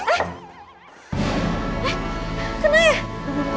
eh kenapa ya